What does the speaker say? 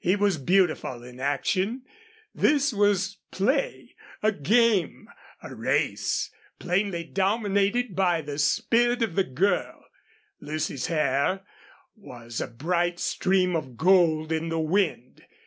He was beautiful in action. This was play a game a race plainly dominated by the spirit of the girl. Lucy's hair was a bright stream of gold in the wind.